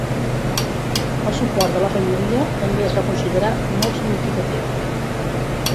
El suport de la família també es va considerar molt significatiu.